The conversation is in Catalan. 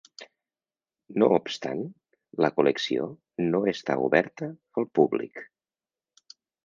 No obstant, la col·lecció no està oberta al públic.